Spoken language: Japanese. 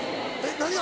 何が？